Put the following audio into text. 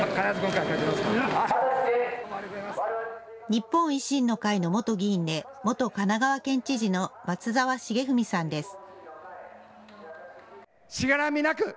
日本維新の会の元議員で、元神奈川県知事の松沢成文さんです。